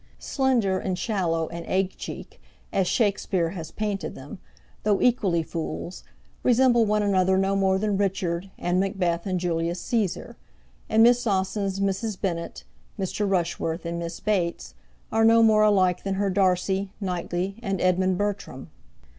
Slender, and Shallow, and Aguecheek, as Shakspeare has painted them, though equally fools, resemble one another no more than Richard, and Macbeth, and Julius Caesar; and Miss Austen's Mrs. Bennet, Mr. Rushworth, and Miss Bates are no more alike than her Darcy, Knightley, and Edmund Bertram.